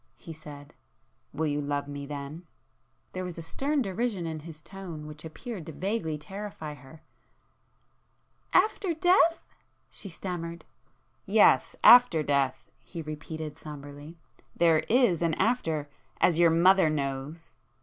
he said—"Will you love me then?" There was a stern derision in his tone which appeared to vaguely terrify her. "After death! ..." she stammered. "Yes,—after death!" he repeated sombrely—"There is an after;—as your mother knows!"